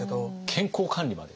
健康管理まで？